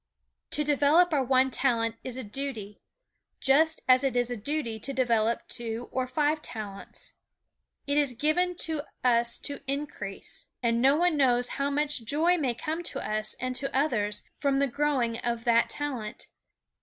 To develop our one talent is a duty, just as it is a duty to develop two or five talents. It is given to us to increase. And no one knows how much joy may come to us and to others from the growing of that talent.